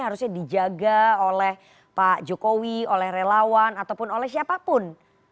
harusnya dijaga oleh pak jokowi oleh relawan ataupun oleh siapapun